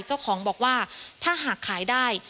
เจ้าของบอกว่าถ้าหากขายได้